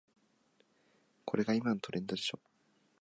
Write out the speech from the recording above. これが今のトレンドでしょ